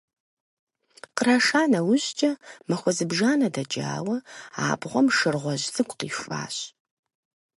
Къраша нэужькӀэ, махуэ зыбжанэ дэкӀауэ, абгъуэм шыр гъуэжь цӀыкӀу къихуащ.